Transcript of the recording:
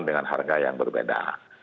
dengan harga yang berbeda